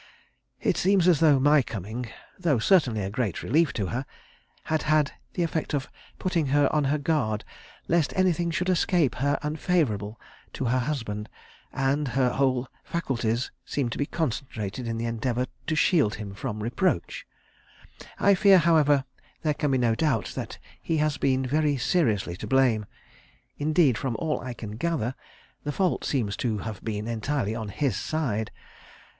It seems as though my coming though certainly a great relief to her had had the effect of putting her on her guard lest anything should escape her unfavourable to her husband, and her whole faculties seem to be concentrated in the endeavour to shield him from reproach. I fear, however, there can be no doubt that he has been very seriously to blame; indeed, from all I can gather, the fault seems to have been entirely on his side.